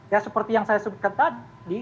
ya seperti yang saya sebutkan tadi